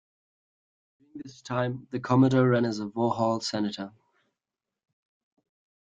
During this time the Commodore ran as a Vauxhall Senator.